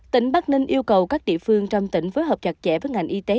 tỉnh bắc ninh yêu cầu các địa phương trong tỉnh phối hợp chặt chẽ với ngành y tế